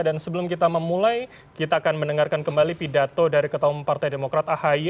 dan sebelum kita memulai kita akan mendengarkan kembali pidato dari ketua partai demokrat ahi